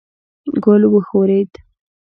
ګل وښورېد.